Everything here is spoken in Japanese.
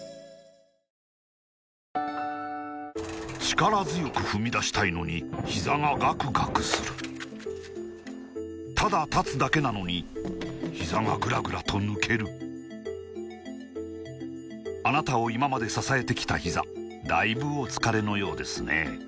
力強く踏み出したいのにひざがガクガクするただ立つだけなのにひざがグラグラと抜けるあなたを今まで支えてきたひざだいぶお疲れのようですね